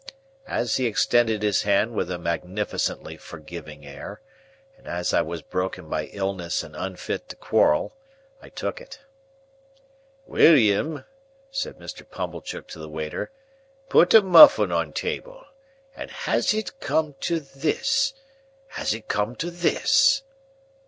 As he extended his hand with a magnificently forgiving air, and as I was broken by illness and unfit to quarrel, I took it. "William," said Mr. Pumblechook to the waiter, "put a muffin on table. And has it come to this! Has it come to this!"